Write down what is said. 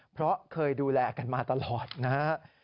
เพราะเคยดูแลกันมาตลอดนะครับ